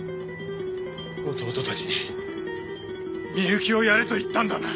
弟たちに深雪をやれと言ったんだな？